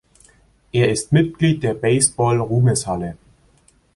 Er ist Mitglied der Baseball-Ruhmeshalle.